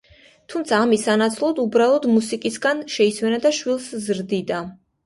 თუმცა, ამის სანაცვლოდ, უბრალოდ მუსიკისგან შეისვენა და შვილს ზრდიდა.